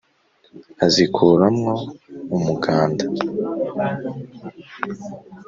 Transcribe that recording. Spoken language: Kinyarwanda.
azikura mwo umuganda,